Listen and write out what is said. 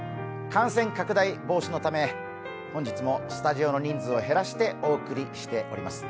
感染拡大防止のため、本日もスタジオの人数を減らしてお送りしています。